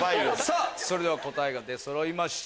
それでは答えが出そろいました。